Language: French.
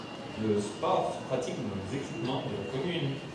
Le sport se pratique dans les équipements de la commune.